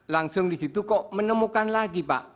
langsung di situ kok menemukan lagi pak